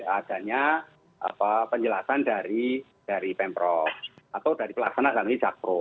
adanya penjelasan dari pemprov atau dari pelaksanaan dari jakpro